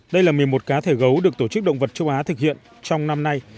đây là một mươi một cá thể gấu được tổ chức động vật châu á thực hiện trong năm nay